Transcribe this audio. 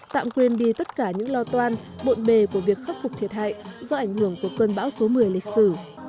tạm quên đi tất cả những lo toan bộn bề của việc khắc phục thiệt hại do ảnh hưởng của cơn bão số một mươi lịch sử